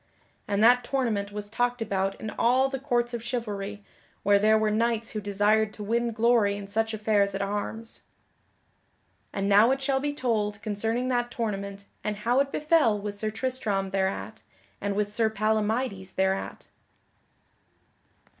And that tournament was talked about in all the courts of chivalry where there were knights who desired to win glory in such affairs at arms. And now it shall be told concerning that tournament and how it befell with Sir Tristram thereat, and with Sir Palamydes thereat.